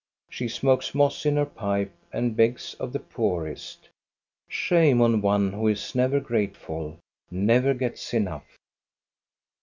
She smokes moss in her pipe and begs of the poorest. Shame on one who is never grateful, never gets enough